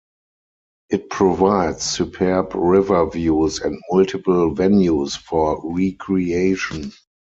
It provides superb river views and multiple venues for recreation.